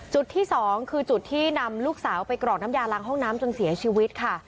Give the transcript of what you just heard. จุดที่สองคือจุดที่นำลูกสาวไปกรอกน้ำยาล้างห้องน้ำจนเสียชีวิตค่ะ